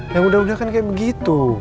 yang udah udah kan kayak begitu